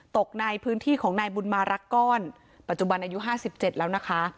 ตกในพื้นที่ของนายบุญมารักก้อนปัจจุบันอายุ๕๗แล้วนะคะ